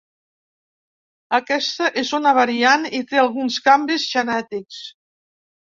Aquesta és una variant i té alguns canvis genètics.